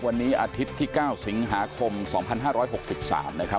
วันนี้อาทิตย์ที่๙สิงหาคม๒๕๖๓นะครับ